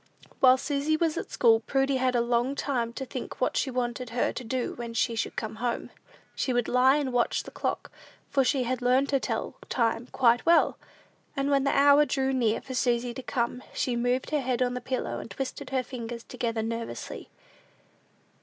While Susy was at school, Prudy had a long time to think what she wanted her to do when she should come home. She would lie and watch the clock, for she had learned to tell the time quite well; and when the hour drew near for Susy to come, she moved her head on the pillow, and twisted her fingers together nervously.